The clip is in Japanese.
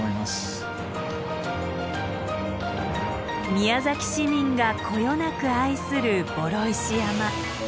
宮崎市民がこよなく愛する双石山。